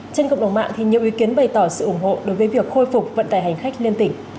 trên cộng đồng mạng nhiều ý kiến bày tỏ sự ủng hộ đối với việc khôi phục vận tải hành khách liên tỉnh